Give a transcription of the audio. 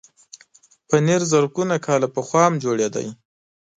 پنېر زرګونه کاله پخوا هم جوړېده.